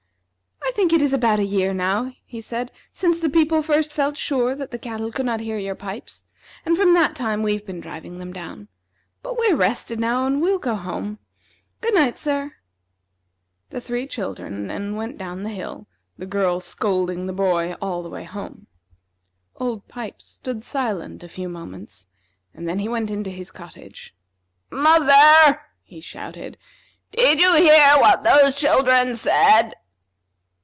"I think it is about a year now," he said, "since the people first felt sure that the cattle could not hear your pipes; and from that time we've been driving them down. But we are rested now, and will go home. Good night, sir." The three children then went down the hill, the girl scolding the boy all the way home. Old Pipes stood silent a few moments, and then he went into his cottage. "Mother," he shouted; "did you hear what those children said?"